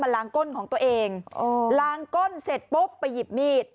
ล้างก้นของตัวเองล้างก้นเสร็จปุ๊บไปหยิบมีด